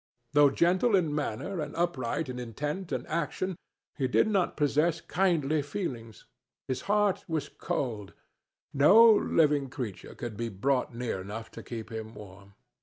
Though gentle in manner and upright in intent and action, he did not possess kindly feelings; his heart was cold: no living creature could be brought near enough to keep him warm.